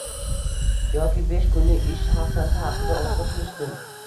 Yoki besh kunlik ish haftasi haqida orzu qilishsin.